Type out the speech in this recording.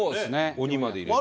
鬼まで入れて。